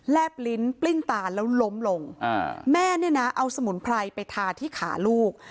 บลิ้นปลิ้นตาแล้วล้มลงอ่าแม่เนี่ยนะเอาสมุนไพรไปทาที่ขาลูก